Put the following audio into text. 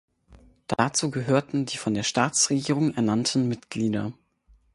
Dazu gehörten die von der Staatsregierung ernannten Mitglieder.